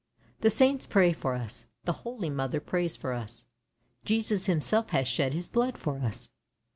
The saints pray for us, the holy mother prays for us, Jesus Himself has shed his blood for us.